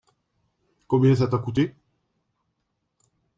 Combien ça t’a coûté ?